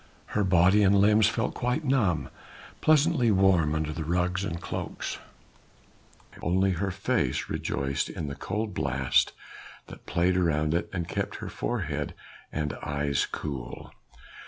Her body and limbs felt quite numb, pleasantly warm under the rugs and cloaks, only her face rejoiced in the cold blast that played around it and kept her forehead and eyes cool.